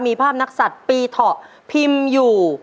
มีภาพนักศัตริย์ปีเถาะพิมพ์อยู่